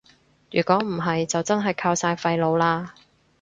如果唔係就真係靠晒廢老喇